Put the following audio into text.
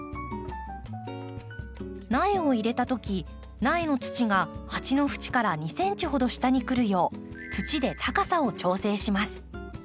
苗を入れた時苗の土が鉢の縁から２ｃｍほど下にくるよう土で高さを調整します。